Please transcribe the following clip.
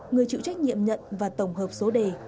người chịu trách nhiệm nhận và tổng hợp số đề